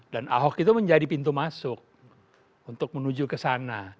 dan ahok itu menjadi pintu masuk untuk menuju ke sana